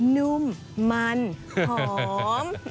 นุ่มมันหอม